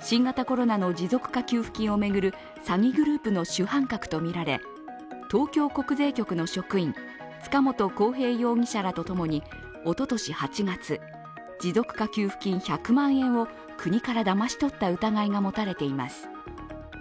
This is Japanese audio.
新型コロナの持続化給付金を巡る詐欺グループの主犯格とみられ東京国税局の職員、塚本浩平容疑者らとともにおととし８月、持続化給付金１００万円を国からだまし取った疑いがもたれています。